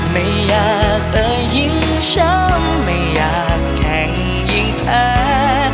ไม่อยากเอ่ยยิ่งช้ำไม่อยากแข่งยิ่งแพ้